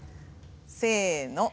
せの。